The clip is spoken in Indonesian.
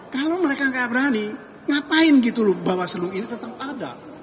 kalau mereka nggak berani ngapain gitu loh bawaslu ini tetap ada